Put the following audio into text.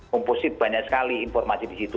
komposit banyak sekali informasi di situ